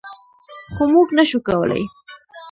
خو موږ نشو کولی.